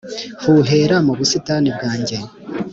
Huhera mu busitani bwanjye,